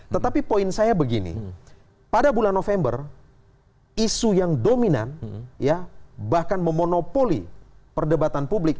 tetapi poin saya begini pada bulan november isu yang dominan ya bahkan memonopoli perdebatan publik